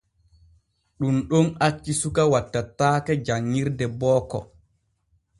Ɗun ɗon acci suka wattataake janƞirde booko.